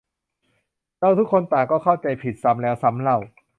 เราทุกคนต่างก็เข้าใจผิดซ้ำแล้วซ้ำเล่า